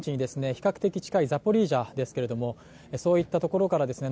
比較的近いザポリージャですけれどもそういったところからですね